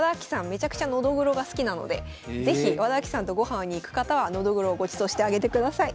めちゃくちゃノドグロが好きなので是非和田あきさんと御飯に行く方はノドグロをごちそうしてあげてください。